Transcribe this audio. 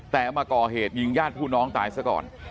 แต่มาก่อเหตุยิงญาติผู้น้องตายซะก่อน